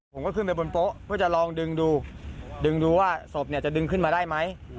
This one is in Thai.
ผมก็ขึ้นไปบนโต๊ะเพื่อจะลองดึงดูดึงดูว่าศพเนี่ยจะดึงขึ้นมาได้ไหม